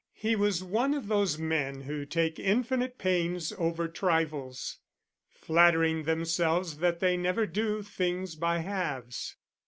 He was one of those men who take infinite pains over trifles, flattering themselves that they never do things by halves.